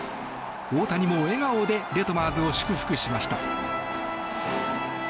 大谷も笑顔でデトマーズを祝福しました。